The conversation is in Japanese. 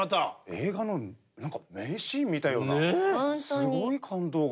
映画の何か名シーン見たようなすごい感動が。